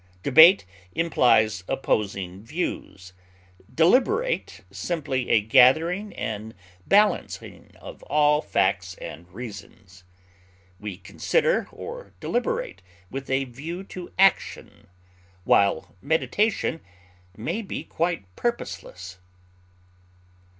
Debate implies opposing views; deliberate, simply a gathering and balancing of all facts and reasons. We consider or deliberate with a view to action, while meditation may be quite purposeless.